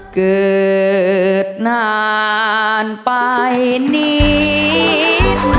เกิดนานไปนิด